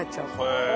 へえ。